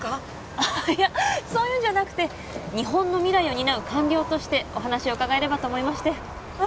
ああいやそういうんじゃなくて日本の未来を担う官僚としてお話をうかがえればと思いましてあ